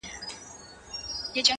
چي د ارواوو په نظر کي بند سي ـ